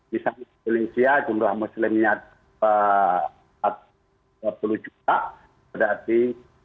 misalnya di indonesia jumlah muslimnya dua puluh juta berarti